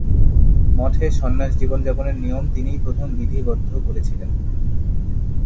মঠে সন্ন্যাস জীবন যাপনের নিয়ম তিনিই প্রথম বিধিবদ্ধ করেছিলেন।